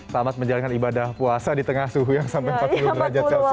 tamat menjalankan ibadah puasa di tengah suhu yang sampai empat puluh derajat celcius